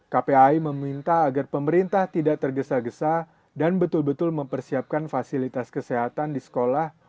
kpai meminta agar pemerintah tidak tergesa gesa dan betul betul mempersiapkan fasilitas kesehatan di sekolah